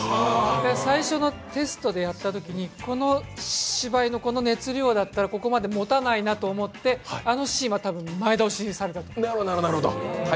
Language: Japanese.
最初のテストでやったときに、この芝居の熱量だったらここまでもたないなと思ってあのシーンは多分、前倒しにされたと。